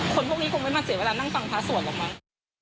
คนพวกนี้คงไม่มาเสียเวลานั่งฟังพระสวดหรอกมั้ง